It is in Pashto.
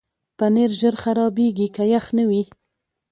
پنېر ژر خرابېږي که یخ نه وي.